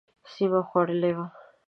سیمه خوړلې وه.